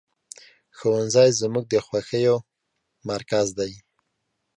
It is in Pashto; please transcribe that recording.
ښوونځی زموږ د خوښیو مرکز دی